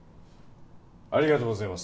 ありがとうございます。